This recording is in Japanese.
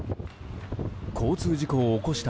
交通事故を起こした